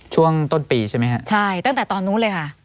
ช่วงต้นปีใช่ไหมฮะใช่ตั้งแต่ตอนนู้นเลยค่ะ